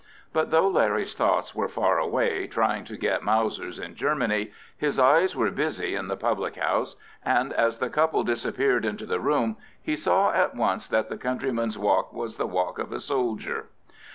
But though Larry's thoughts were far away, trying to get Mausers in Germany, his eyes were busy in the public house, and as the couple disappeared into the room, he saw at once that the countryman's walk was the walk of a soldier.